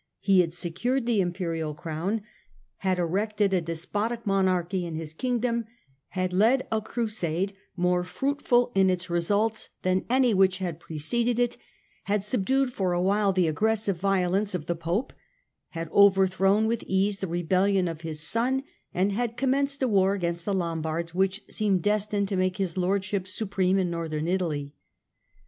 He had secured the Imperial Crown, had erected a despotic monarchy in his Kingdom, had led a Crusade more fruitful in its results than any which had preceded it, had subdued for awhile the aggressive violence of the Pope, had overthrown with ease the rebellion of his son, and had commenced a war against the Lombards which seemed destined to make his lordship supreme in Northern Italy.